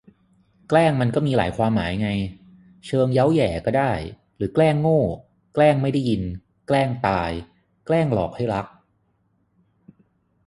แกล้งมันมีหลายความหมายไง เชิงเย้าแหย่ก็ได้ หรือแกล้งโง่ แกล้งไม่ได้ยิน แกล้งตาย แกล้งหลอกให้รัก